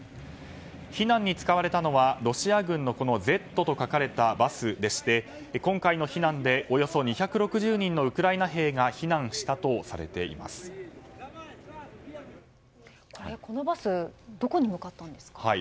避難に使われたのはロシア軍の「Ｚ」と書かれたバスで今回の避難でおよそ２６０人のウクライナ兵がこのバスどこに向かったんですか。